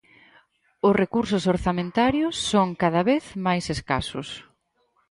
Os recursos orzamentarios son cada vez máis escasos.